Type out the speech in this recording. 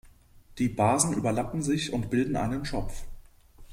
Die Basen überlappen sich und bilden einen Schopf.